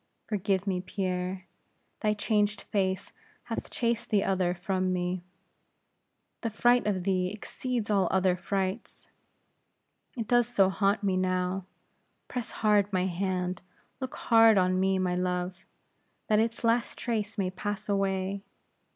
Forgive me, Pierre; thy changed face hath chased the other from me; the fright of thee exceeds all other frights. It does not so haunt me now. Press hard my hand; look hard on me, my love, that its last trace may pass away.